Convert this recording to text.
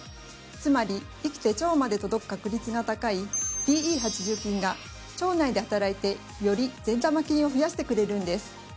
つまり生きて腸まで届く確率が高い「ＢＥ８０菌」が腸内で働いてより善玉菌を増やしてくれるんです。